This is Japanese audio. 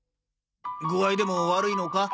具合でも悪いのか？